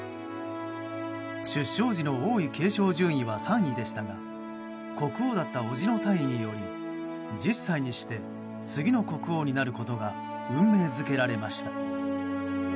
出生時の王位継承順位は３位でしたが国王だった伯父の退位により１０歳にして次の国王になることが運命づけられました。